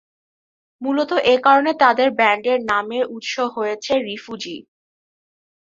মূলত এ কারণে তাদের ব্যান্ডের নামের উৎস হচ্ছে রিফুজি।